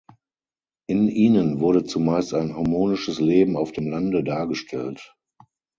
In ihnen wurde zumeist ein harmonisches Leben auf dem Lande dargestellt.